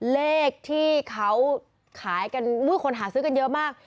เลขที่เขาขายกันคนหาซื้อกันเยอะมาก